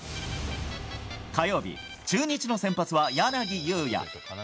火曜日、中日の先発は柳裕也。